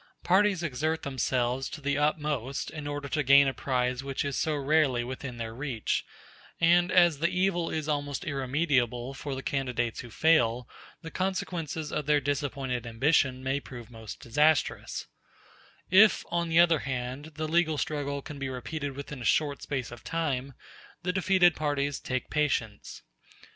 Parties exert themselves to the utmost in order to gain a prize which is so rarely within their reach; and as the evil is almost irremediable for the candidates who fail, the consequences of their disappointed ambition may prove most disastrous; if, on the other hand, the legal struggle can be repeated within a short space of time, the defeated parties take patience.